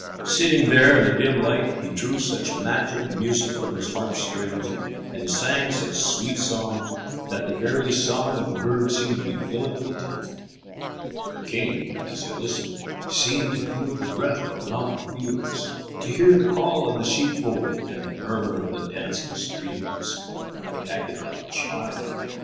Sitting there in the dim light, he drew such magic music from his harp's strings, and sang such sweet songs, that the very song of the birds seemed to be filling the tent. The king, as he listened, seemed to feel the breath of the mountain fields, to hear the call of the sheepfold and the murmur of the dancing streams. It acted like a charm.